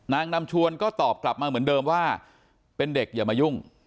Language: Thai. นางนำชวนก็ตอบกลับมาเหมือนเดิมว่าเป็นเด็กอย่ามายุ่ง